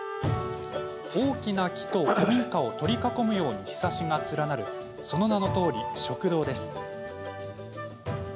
大きな木と古民家を取り囲むようにひさしが連なるその名のとおり、食堂です。